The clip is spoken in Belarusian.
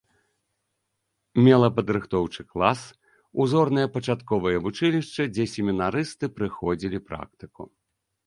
Мела падрыхтоўчы клас, узорнае пачатковае вучылішча, дзе семінарысты прыходзілі практыку.